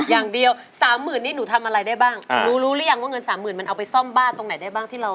อย่างเดียวสามหมื่นนี่หนูทำอะไรได้บ้างหนูรู้หรือยังว่าเงินสามหมื่นมันเอาไปซ่อมบ้านตรงไหนได้บ้างที่เรา